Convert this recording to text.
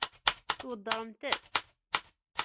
Tweddṛemt-tt?